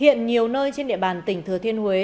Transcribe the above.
hiện nhiều nơi trên địa bàn tỉnh thừa thiên huế